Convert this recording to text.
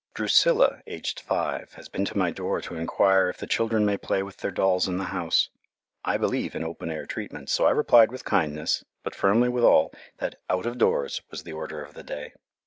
Drusilla, aged five, has been to my door to enquire if the children may play with their dolls in the house. I believe in open air treatment, so I replied with kindness, but firmly withal, that "out of doors" was the order of the day.